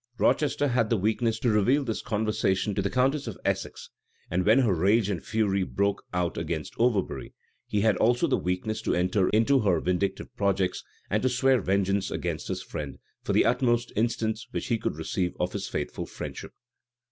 [*] Rochester had the weakness to reveal this conversation to the countess of Essex; and when her rage and fury broke out against Overbury, he had also the weakness to enter into her vindictive projects, and to swear vengeance against his friend, for the utmost instance which he could receive of his faithful friendship.